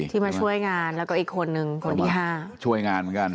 มาช่วยงานแล้วก็อีกคนนึงคนที่ห้าช่วยงานเหมือนกัน